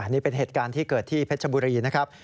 นี่เป็นเหตุการณ์ที่เกิดที่เพชรบุรีนะครับ